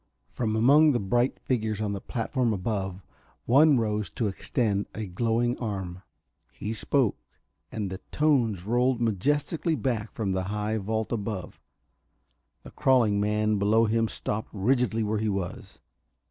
From among the bright figures on the platform above one rose to extend a glowing arm. He spoke, and the tones rolled majestically back from the high vault above. The crawling man below him stopped rigidly where he was.